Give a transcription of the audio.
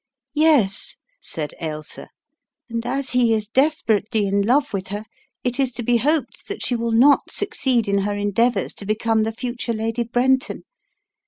"Yes," said Ailsa, "and as he is desperately in love with her, it is to be hoped that she will not suc ceed in her endeavours to become the future Lady Brenton.